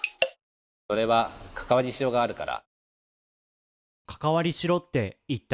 それはかかわりシロがあるから。